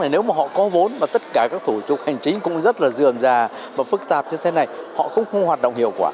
nếu mà họ có vốn mà tất cả các thủ tục hành chính cũng rất là dườm già và phức tạp như thế này họ cũng không hoạt động hiệu quả